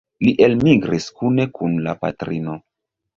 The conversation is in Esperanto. Li elmigris kune kun la patrino.